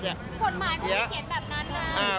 ผลหมายเขาเขียนแบบนั้นนะ